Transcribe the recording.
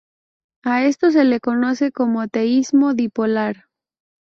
A esto se le conoce como teísmo dipolar.